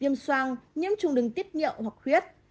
viêm soang nhiễm trùng đứng tiết nhiệm hoặc khuyết